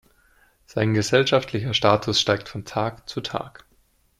Sein gesellschaftlicher Status steigt von Tag zu Tag.